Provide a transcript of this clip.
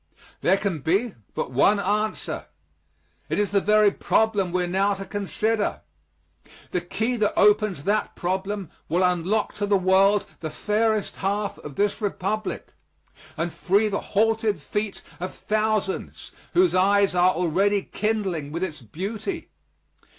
There can be but one answer. It is the very problem we are now to consider. The key that opens that problem will unlock to the world the fairest half of this Republic, and free the halted feet of thousands whose eyes are already kindling with its beauty.